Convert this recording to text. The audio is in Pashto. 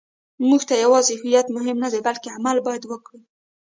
موږ ته یوازې هویت مهم نه دی، بلکې عمل باید وکړو.